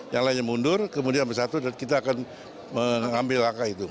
yang lainnya mundur kemudian bersatu dan kita akan mengambil langkah itu